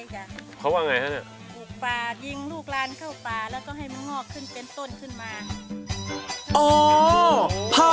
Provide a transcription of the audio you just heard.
ปลูกป่ายิงลูกลานเข้าป่าแล้วก็ให้มันงอกขึ้นเป็นต้นขึ้นมา